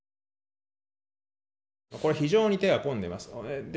これは非常に手が込んでいます。